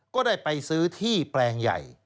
ก็ได้ไปซื้อที่แปลงใหญ่